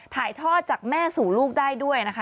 ถ่ายทอดจากแม่สู่ลูกได้ด้วยนะคะ